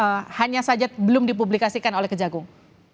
yang hanya saja belum dipublikasikan oleh kejagung